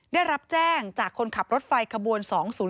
ได้รับแจ้งจากคนขับรถไฟขบวน๒๐๔